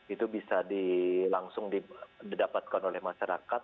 itu bisa langsung didapatkan oleh masyarakat